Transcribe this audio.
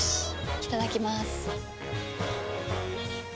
いただきまーす。